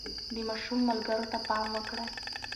د ماشوم ملګرو ته پام وکړئ.